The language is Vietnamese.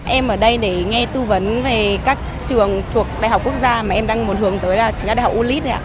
em ở đây để nghe tu vấn về các trường thuộc đại học quốc gia mà em đang muốn hướng tới là trường đại học ulit